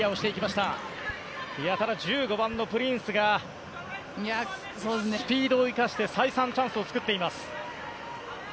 ただ、１５番のプリンスがスピードを生かして再三、チャンスを作っています。